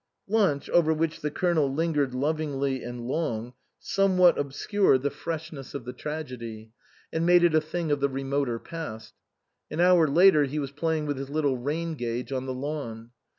Lunch, over which the Colonel lingered lov ingly and long, somewhat obscured the freshness 135 THE COSMOPOLITAN of the tragedy, and made it a thing of the re moter past. An hour later he was playing with his little rain gauge on the lawn.